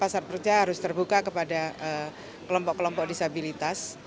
pasar kerja harus terbuka kepada kelompok kelompok disabilitas